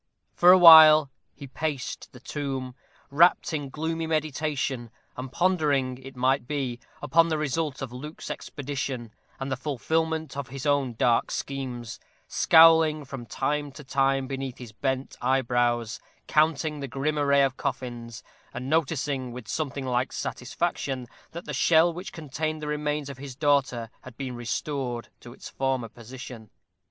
For a while he paced the tomb, wrapped in gloomy meditation, and pondering, it might be, upon the result of Luke's expedition, and the fulfilment of his own dark schemes, scowling from time to time beneath his bent eyebrows, counting the grim array of coffins, and noticing, with something like satisfaction, that the shell which contained the remains of his daughter had been restored to its former position.